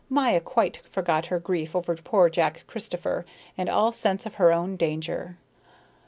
Maya quite forgot her grief over poor Jack Christopher and all sense of her own danger.